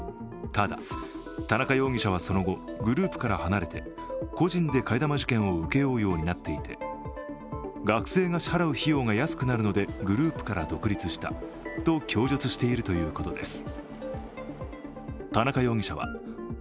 ただ田中容疑者はその後グループから離れて個人で替え玉受検を請け負うようになっていて学生が支払う費用が安くなるのでグループから独立したと供述しているということです。